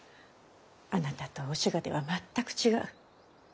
あなたとお志賀では全く違う。